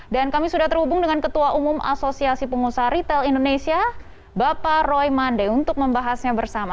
dan kami sudah terhubung dengan ketua umum asosiasi pengusaha retail indonesia bapak roy mande untuk membahasnya bersama